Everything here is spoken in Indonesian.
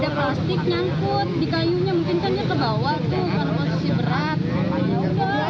ya udah bawa aja